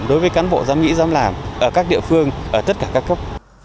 đối với cán bộ giám nghị giám làm ở các địa phương ở tất cả các cấp